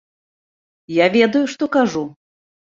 Я ведаю, што кажу.